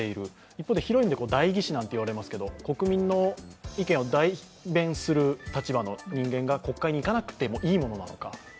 一方で広い意味で代議士なんて言われますけど、国民の意見を代弁する立場の人間が国会に行かなくてもいいものなのか。